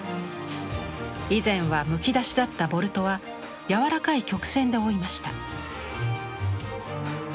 以前はむき出しだったボルトは柔らかい曲線で覆いました。